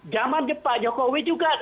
zaman jepang jokowi juga